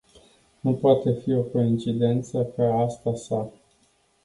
Nu poate fi o coincidenta ca asta s-a.